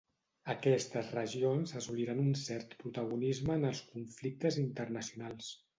Aquestes regions assoliran un cert protagonisme en els conflictes internacionals.